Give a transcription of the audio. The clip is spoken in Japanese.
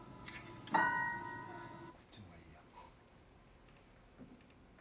こっちのがいいや。